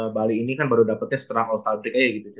bali ini kan baru dapetnya setelah all star break aja gitu